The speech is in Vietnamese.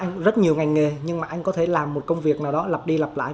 anh rất nhiều ngành nghề nhưng mà anh có thể làm một công việc nào đó lặp đi lặp lại